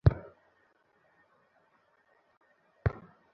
আমি তখনও শ্বাস নিচ্ছিলাম।